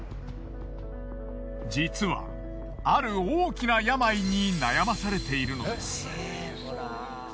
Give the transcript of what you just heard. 実はある大きな病に悩まされているのです。